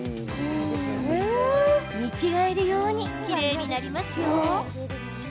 見違えるようにきれいになりますよ。